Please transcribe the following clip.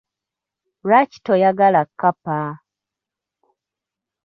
Lwaki toyagala kkapa?